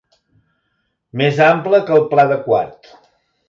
Més ample que el Pla de Quart.